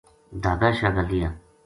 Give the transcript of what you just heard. دھاگا شاگا لِیا